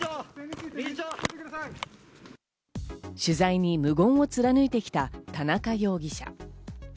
取材に無言を貫いてきた田中容疑者。